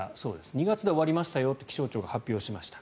２月で終わりましたよと気象庁が発表しました。